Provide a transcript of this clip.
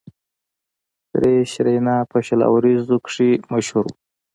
سریش رینا په شل آورونو کښي مشهور وو.